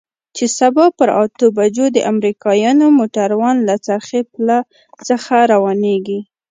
چې سبا پر اتو بجو د امريکايانو موټران له څرخي پله څخه روانېږي.